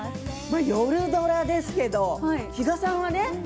夜ドラですけど、比嘉さんはね